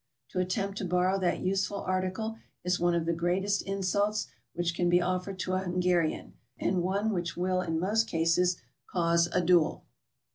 To attempt to borrow that useful article is one of the greatest insults which can be offered to a Hungarian, and one which will in most cases cause a duel.